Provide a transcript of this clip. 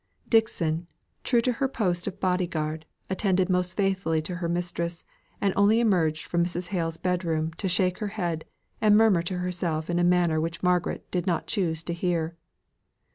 Dixon, true to her post of body guard, attended most faithfully to her mistress, and only emerged from Mrs. Hale's bedroom to shake her head, and murmur to herself in a manner which Margaret did not choose to hear.